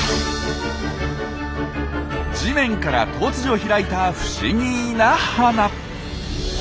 地面から突如開いた不思議な花。